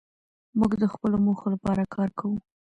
موږ د خپلو موخو لپاره کار کوو.